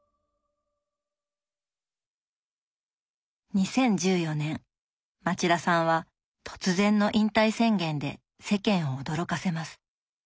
２０１４年町田さんは突然の引退宣言で世間を驚かせます。